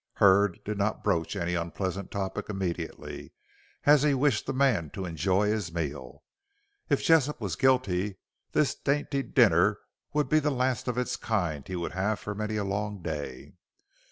Hurd did not broach any unpleasant topic immediately, as he wished the man to enjoy his meal. If Jessop was guilty, this dainty dinner would be the last of its kind he would have for many a long day.